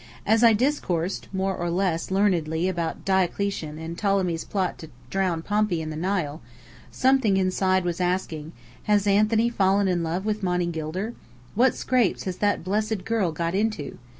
As I discoursed (more or less) learnedly about Diocletian, and Ptolemy's plot to drown Pompey in the Nile, something inside was asking, "Has Anthony fallen in love with Monny Gilder?" "What scrapes has that blessed girl got into?"